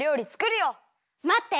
まって！